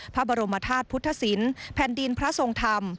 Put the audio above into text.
พระบรมธาตุพุทธศิลป์แผ่นดินพระทรงธรรม